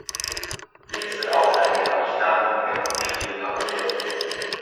Dies wird auch in einem gleichnamigen Kartenspiel parodiert.